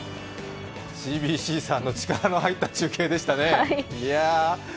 ＣＢＣさんの力の入った中継でしたね。